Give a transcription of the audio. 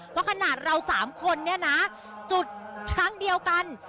เพราะขนาดเราสามคนจุดทั้งเดียวกัน